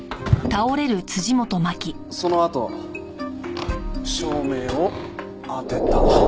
そのあと照明を当てた。